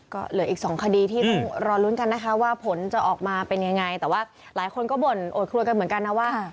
ก็เหลืออีกสองคดีที่ต้องรอลุ้นกันนะคะว่าผลจะออกมาเป็นยังไงแต่ว่าหลายคนก็บ่นโอดครัวกันเหมือนกันนะว่า